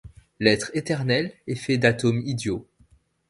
L’être éternel est fait d’atomes idiots.